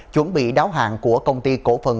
chuẩn bị đáo hạng của công ty cổ phần